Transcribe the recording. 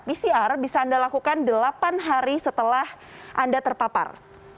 pcr bisa anda lakukan delapan hari setelah anda terpapar